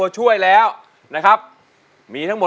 ใช่